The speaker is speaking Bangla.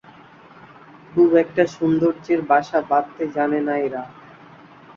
খুব একটা সৌন্দর্যের বাসা বাঁধতে জানে না এরা।